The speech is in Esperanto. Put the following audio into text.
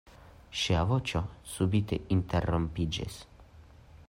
Ŝia voĉo subite interrompiĝis.